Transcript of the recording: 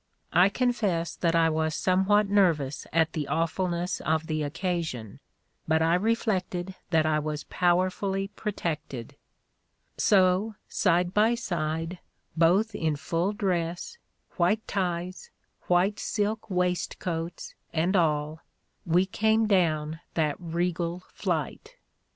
I confess that I was some what nervous at the awfulness of the occasion, but I reflected that I was powerfully protected; so side by side, both in full dress, white ties, white silk waistcoats, and all, we came down that regal flight.